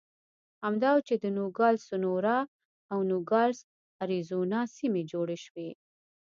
همدا و چې د نوګالس سونورا او نوګالس اریزونا سیمې جوړې شوې.